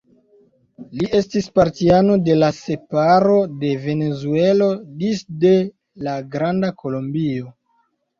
Li estis partiano de la separo de Venezuelo disde la Granda Kolombio.